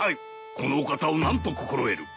このお方を何と心得る。